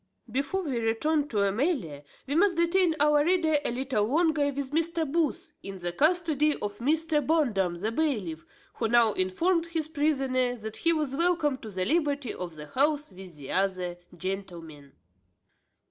_ Before we return to Amelia we must detain our reader a little longer with Mr. Booth, in the custody of Mr. Bondum the bailiff, who now informed his prisoner that he was welcome to the liberty of the house with the other gentlemen.